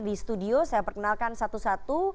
di studio saya perkenalkan satu satu